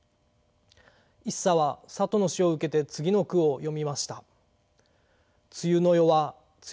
一茶はさとの死を受けて次の句を詠みました。